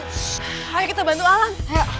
ayo kita bantu alam